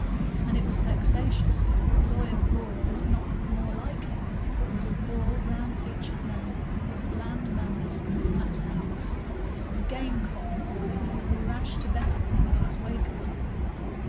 And it was vexatious that Lawyer Gore was not more like him, but was a bald, round featured man, with bland manners and fat hands; a game cock that you would be rash to bet upon against Wakem.